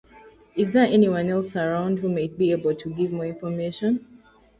Is there anyone else around who might be able to give more information?